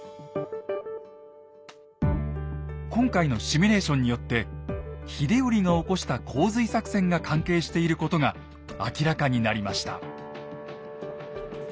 今回のシミュレーションによって秀頼が起こした洪水作戦が関係していることが明らかになりました。